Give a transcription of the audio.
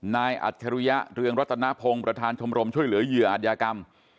อัจฉริยะเรืองรัตนพงศ์ประธานชมรมช่วยเหลือเหยื่ออัธยากรรม